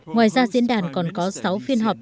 ngoài ra diễn đàn còn có sáu phiên họp